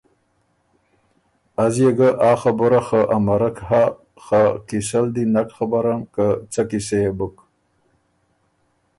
از يې ګۀ آ خبُره خه امرک هۀ خه قیصه ل دی نک خبرم که څۀ قیصۀ يې بُک